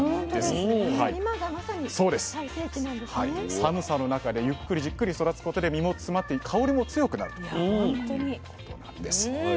寒さの中でゆっくりじっくり育つことで身も詰まって香りも強くなるということなんです。